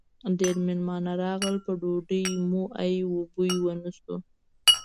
ډېر مېلمانه راغلل؛ په ډوډۍ مو ای و بوی و نه شو.